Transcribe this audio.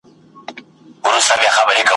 په مطبوعاتو کي رپوټونه ,